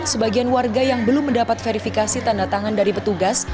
sebagian warga yang belum mendapat verifikasi tanda tangan dari petugas